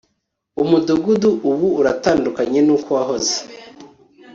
umudugudu ubu uratandukanye nuko wahoze